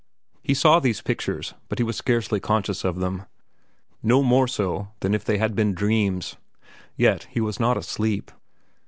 He saw these pictures, but he was scarcely conscious of them—no more so than if they had been dreams. Yet he was not asleep.